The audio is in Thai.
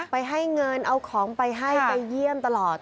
ไปให้เงินเอาของไปให้ไปเยี่ยมตลอด